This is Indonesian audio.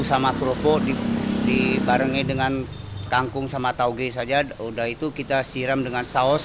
sama kerupuk dibarengi dengan kangkung sama tauge saja udah itu kita siram dengan saus